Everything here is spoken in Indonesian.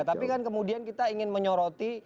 tapi kan kemudian kita ingin menyoroti